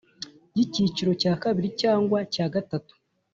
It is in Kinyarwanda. y icyiciro cya kabiri cyangwa cya gatatu